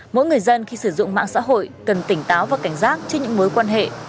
mỗi người dân khi sử dụng mạng xã hội cần tỉnh táo và cảnh giác trước những mối quan hệ